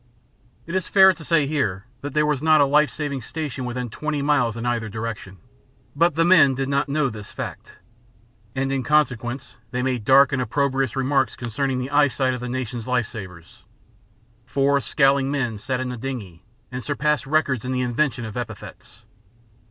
It is fair to say here that there was not a life saving station within twenty miles in either direction, but the men did not know this fact, and in consequence they made dark and opprobrious remarks concerning the eyesight of the nation's life savers. Four scowling men sat in the dingey and surpassed records in the invention of epithets.